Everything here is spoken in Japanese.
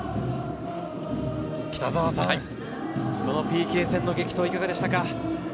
このＰＫ戦の激闘いかがでしたか？